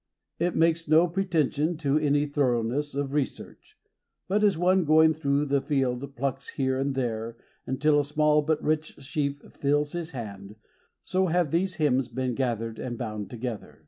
It makes no pretension to any thoroughness of research; but as one going through the field plucks here and there, until a small but rich sheaf fills his hand, so have these hymns been gathered and bound together.